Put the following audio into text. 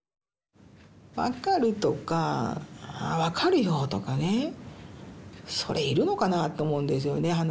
「わかる」とか「わかるよ」とかねそれいるのかなって思うんですよね。